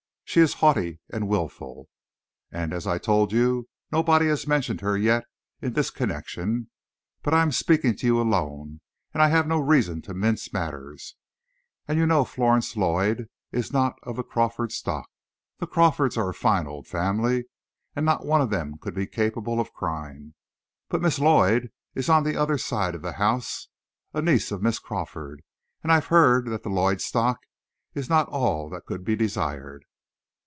She is haughty and wilful. And as I told you, nobody has mentioned her yet in this connection. But I am speaking to you alone, and I have no reason to mince matters. And you know Florence Lloyd is not of the Crawford stock. The Crawfords are a fine old family, and not one of them could be capable of crime. But Miss Lloyd is on the other side of the house, a niece of Mrs. Crawford; and I've heard that the Lloyd stock is not all that could be desired.